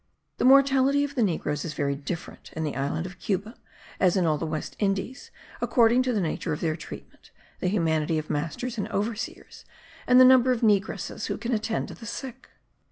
The mortality of the negroes is very different in the island of Cuba, as in all the West Indies, according to the nature of their treatment, the humanity of masters and overseers, and the number of negresses who can attend to the sick.